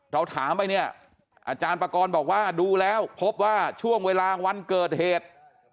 เราถามไปเนี่ยอาจารย์ปากรบอกว่าดูแล้วพบว่าช่วงเวลาวันเกิดเหตุ